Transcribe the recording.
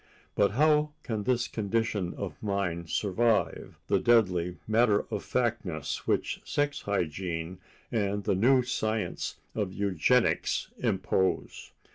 But how can this condition of mind survive the deadly matter of factness which sex hygiene and the new science of eugenics impose?